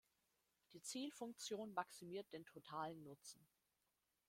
Die Zielfunktion maximiert den totalen Nutzen.